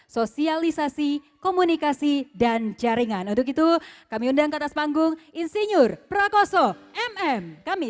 sosialisasi komunikasi dan jaringan untuk itu kami undang ke atas panggung insinyur prakoso mm kami